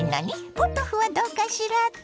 ポトフはどうかしらって？